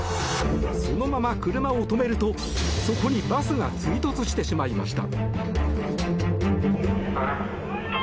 そのまま車を止めるとそこにバスが追突してしまいました。